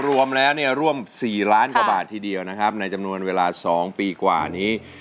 ร่วม๔ล้านบาททีดี๑ในแต่แจกโน้นเวลา๒ปีนัน